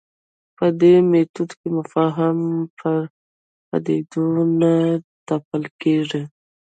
په دې میتود کې مفاهیم پر پدیدو نه تپل کېږي.